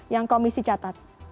yang komisi catat